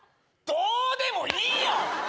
どうでもいいよ！